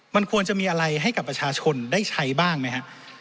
มันควรจะมีอะไรให้กับประชาชนได้ใช้บ้างไหมฮะ